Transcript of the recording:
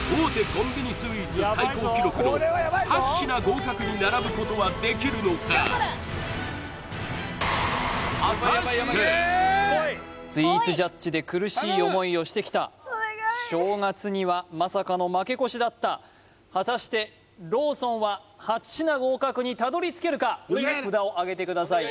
コンビニスイーツ最高記録の８品合格に並ぶことはできるのかスイーツジャッジで苦しい思いをしてきた正月にはまさかの負け越しだった果たしてローソンは８品合格にたどり着けるか札をあげてください